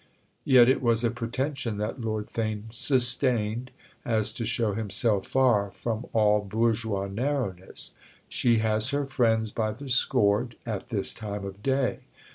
Yet it was a pretension that Lord Theign sustained—as to show himself far from all bourgeois narrowness. "She has her friends by the score—at this time of day."